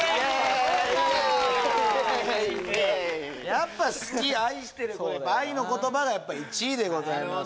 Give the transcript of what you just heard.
やっぱ「好き」「愛してる」愛の言葉がやっぱ１位でございます